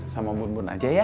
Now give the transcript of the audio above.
sama bun bun aja ya